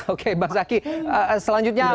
oke bang zaky selanjutnya